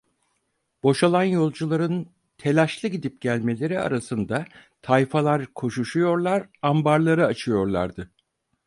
Boşalan yolcuların, telaşlı gidip gelmeleri arasında, tayfalar koşuşuyorlar, ambarları açıyorlardı.